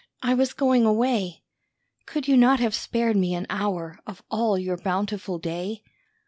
I was going away, Could you not have spared me an hour Of all your bountiful day?